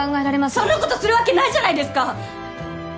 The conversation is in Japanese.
そんなことするわけないじゃないですか！